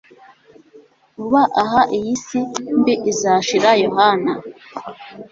Vuba aha iyi si mbi izashira Yohana